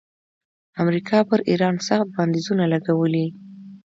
امریکا پر ایران سخت بندیزونه لګولي.